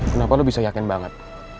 kenapa lo bisa yakin banget